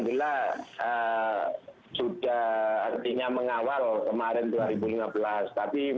ya pemerintah sudah alhamdulillah sudah artinya mengawal kemarin dua ribu lima belas tapi menurut saya memang tidak bisa kita mengawal tapi saya tidak mau mengawal itu